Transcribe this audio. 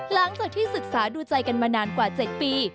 หลังจากที่ศึกษาดูใจกันมานานกว่า๗ปี